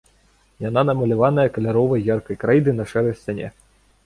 Яна намаляваная каляровай яркай крэйдай на шэрай сцяне.